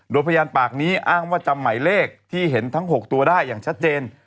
โดยพยานปากนี้อ้างว่าจำหมายเลขที่เห็นทั้ง๖ตัวได้อย่างชัดเจน